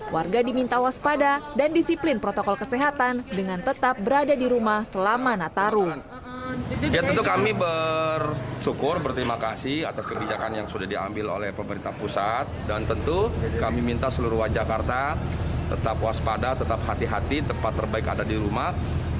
warga diminta waspada dan disiplin protokol kesehatan dengan tetap berada di rumah selama natal